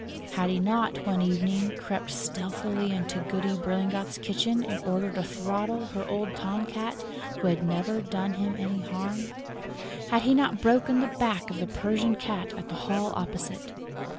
Had he not, one evening, crept stealthily into Goody Berlingot's kitchen in order to throttle her old tom cat, who had never done him any harm? Had he not broken the back of the Persian cat at the Hall opposite?